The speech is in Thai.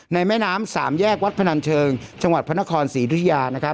ในแม่น้ำสามแยกวัดพนันเชิงชะวัดพระนคร๔ธุยา